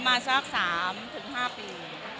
ประมาณสักสามถึงห้าปี